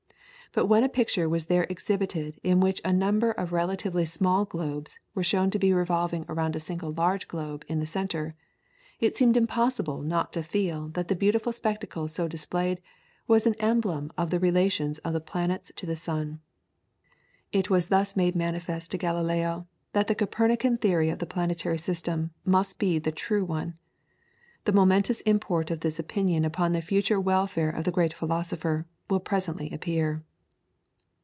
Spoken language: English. But when a picture was there exhibited in which a number of relatively small globes were shown to be revolving around a single large globe in the centre, it seemed impossible not to feel that the beautiful spectacle so displayed was an emblem of the relations of the planets to the sun. It was thus made manifest to Galileo that the Copernican theory of the planetary system must be the true one. The momentous import of this opinion upon the future welfare of the great philosopher will presently appear.